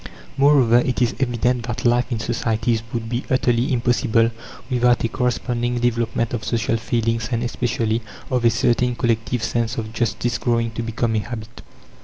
Moreover, it is evident that life in societies would be utterly impossible without a corresponding development of social feelings, and, especially, of a certain collective sense of justice growing to become a habit.